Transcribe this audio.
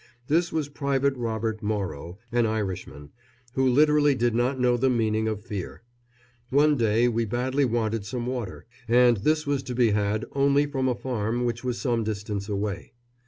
This was Private Robert Morrow, an Irishman, who literally did not know the meaning of fear. One day we badly wanted some water, and this was to be had only from a farm which was some distance away.